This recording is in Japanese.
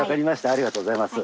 ありがとうございます。